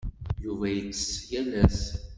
Yuba yettess yal ass.